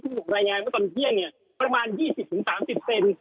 ถูกรายงานว่าตอนเที่ยงเนี่ยประมาณ๒๐๓๐เซน